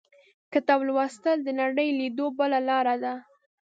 • کتاب لوستل، د نړۍ لیدو بله لاره ده.